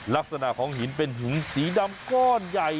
ลักษณะของหินเป็นหินสีดำก้อนใหญ่